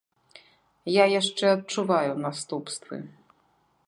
Я яшчэ адчуваю наступствы.